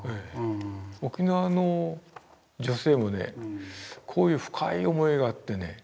沖縄の女性もねこういう深い思いがあってね